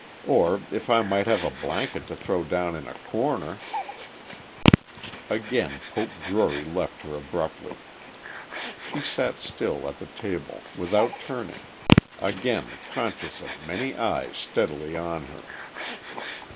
Or, if I might have a blanket to throw down in a corner ..." Again Poke Drury left her abruptly. She sat still at the table, without turning, again conscious of many eyes steadily on her.